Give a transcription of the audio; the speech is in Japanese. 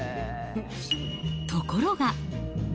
ところが。